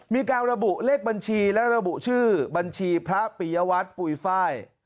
มีการระบุเลขบัญชีและระบุชื่อบัญชีพระปียวัตรปุ๋ยไฟล์